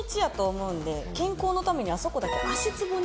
健康のためにあそこだけ足つぼに。